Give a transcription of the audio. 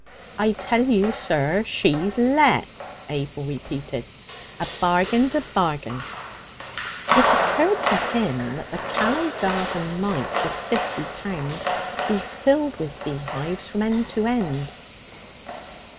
'I tell you, sir, she's let,' Abel repeated. 'A bargain's a bargain!' It occurred to him that the Callow garden might, with fifty pounds, be filled with beehives from end to end.